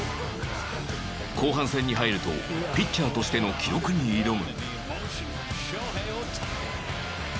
後半戦に入るとピッチャーとしての記録に挑む。